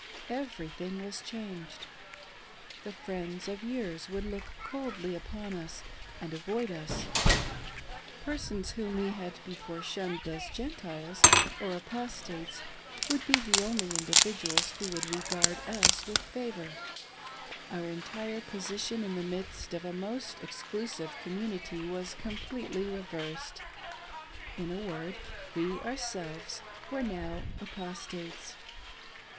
Every thing was changed : the friends of years would look coldly on us and avoid us ; persons whom we had before shunned as Gentiles or Apostates would be the only individuals who would regard us with favor ;— our entire position in the midst of a most ex clusive community was completely reversed ; in a word, we ourselves were now " Apostates